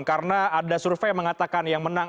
karena ada survei mengatakan yang menang